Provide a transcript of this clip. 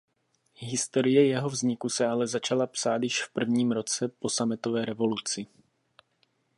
Historie jeho vzniku se ale začala psát již v prvním roce po „sametové revoluci“.